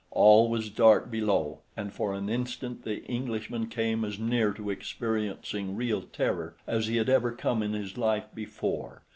All was dark below and for an instant the Englishman came as near to experiencing real terror as he had ever come in his life before.